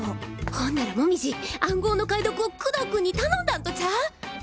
ほんなら紅葉暗号の解読を工藤君に頼んだんとちゃう？